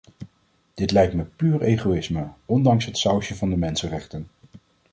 Dit lijkt me puur egoïsme, ondanks het sausje van de mensenrechten.